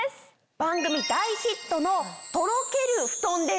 番組大ヒットのとろけるふとんです。